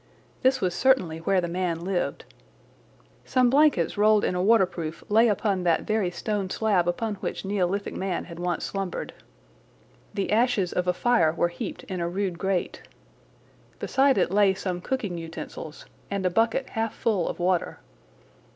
This was certainly where the man lived. Some blankets rolled in a waterproof lay upon that very stone slab upon which Neolithic man had once slumbered. The ashes of a fire were heaped in a rude grate. Beside it lay some cooking utensils and a bucket half full of water.